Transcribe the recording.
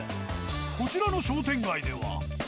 こちらの商店街では。